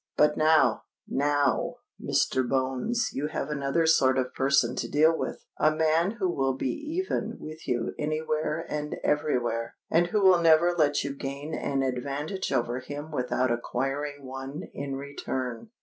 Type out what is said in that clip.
But now,—now, Mr. Bones, you have another sort of person to deal with,—a man who will be even with you anywhere and everywhere,—and who will never let you gain an advantage over him without acquiring one in return."